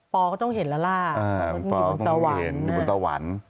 ปอก็ต้องเห็นแล้วล่ะต้องอยู่บนตะหวัน